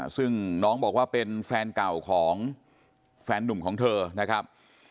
ซึ่งน้องบอกว่าเป็นแฟนเก่าของแฟนนุ่มของเธอนะครับ